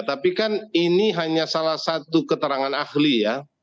tapi kan ini hanya salah satu keterangan ahli ya